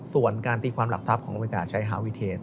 ส่วนการตีความหลักทรัพย์ของอเมริกาชัยหาวิเทศ